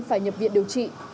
phải nhập viện điều trị